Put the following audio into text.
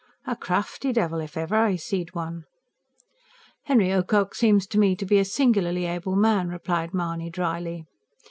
"A crafty devil, if ever I see'd one." "Henry Ocock seems to me to be a singularly able man," replied Mahony drily.